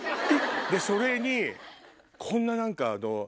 えっ⁉それにこんな何か。